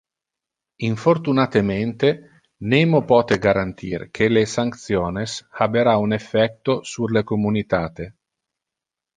Infortunatemente, nemo pote garantir que le sanctiones habera un effecto sur le communitate.